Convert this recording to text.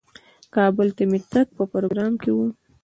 کابل ته مې تګ په پروګرام کې و.